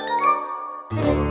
semakin gak hadir